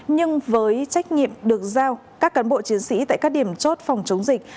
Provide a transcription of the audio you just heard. nhưng với trách nhiệm được giao các cán bộ chiến sĩ tại các điểm chốt phòng chống dịch